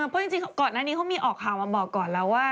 เพราะจริงก่อนหน้านี้เขามีออกข่าวมาบอกก่อนแล้วว่า